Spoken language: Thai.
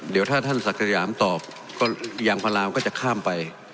เดี๋ยวถ้าท่านศักดิ์สยามตอบก็ยางพารามก็จะข้ามไป